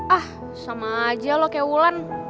ah sama aja loh kayak wulan